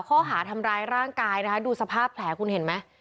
ข้อหาทำร้ายร่างกายนะคะดูสภาพแผลคุณเห็นไหม